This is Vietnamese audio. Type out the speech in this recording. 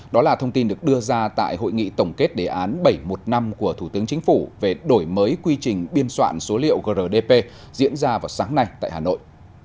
đó là thông tin được đưa ra tại hội nghị tổng kết đề án bảy trăm một mươi năm của thủ tướng chính phủ về đổi mới quy trình biên soạn số liệu grdp diễn ra vào sáng nay tại hà nội